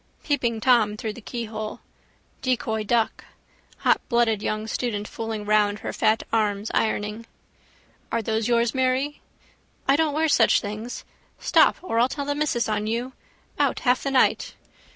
Peeping Tom through the keyhole. Decoy duck. Hotblooded young student fooling round her fat arms ironing. —Are those yours, Mary? —I don't wear such things... Stop or I'll tell the missus on you. Out half the night.